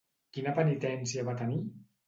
Quina penitència va tenir?